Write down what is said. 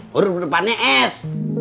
huruf depannya s